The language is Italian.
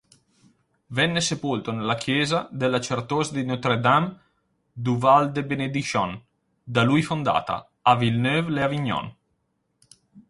Venne sepolto nella chiesa della certosa di Notre-Dame-du-Val-de-Bénédiction, da lui fondata, a Villeneuve-lès-Avignon.